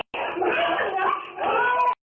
มีปัญหา๓๐๐พูด